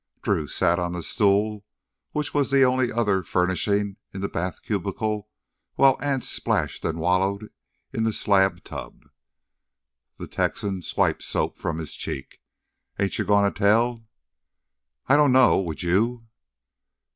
Drew sat on the stool which was the only other furnishing in the bath cubicle while Anse splashed and wallowed in the slab tub. The Texan swiped soap from his cheek. "An' ain't you gonna tell?" "I don't know. Would you?"